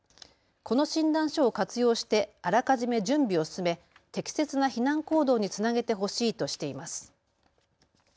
この診断書を活用してあらかじめ準備を進め適切な避難行動につなげてほしいとしています。